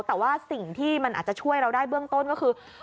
แต่ว่าสิ่งที่มันอาจจะช่วยเราได้เบื้องต้นก็คือ